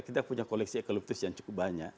kita punya koleksi ekologis yang cukup banyak